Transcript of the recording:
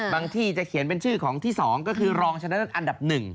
ที่จะเขียนเป็นชื่อของที่๒ก็คือรองชนะเลิศอันดับ๑